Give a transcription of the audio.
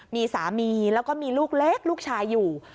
มีสามีแล้วก็มีลูกเล็กลูกชายอยู่